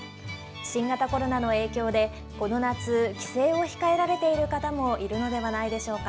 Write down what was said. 新型コロナの影響でこの夏帰省を控えられている方もいるのではないでしょうか？